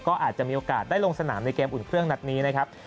ก็อาจจะมีโอกาสได้ลงสนามในเกมอุ่นเครื่องนัดนี้นะครับ